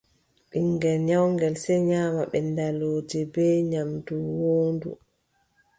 Ɓiŋngel nyawngel , sey nyaama ɓenndalooje bee nyaamdu woondu.